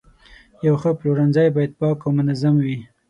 یو ښه پلورنځی باید پاک او منظم وي.